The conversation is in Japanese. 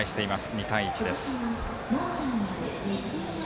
２対１です。